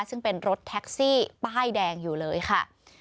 ซึ่งเป็นรถแท็กซี่ป้ายแดงอยู่เลยค่ะ